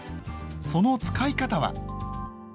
その使い方は？